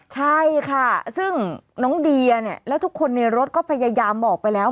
ใช่ค่ะซึ่งน้องเดียเนี่ยแล้วทุกคนในรถก็พยายามบอกไปแล้ว